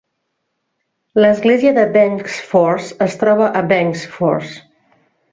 L'església de Bengtsfors es troba a Bengtsfors.